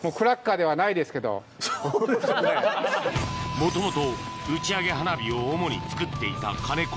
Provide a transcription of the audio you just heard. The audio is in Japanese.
もともと打ち上げ花火を主に作っていたカネコ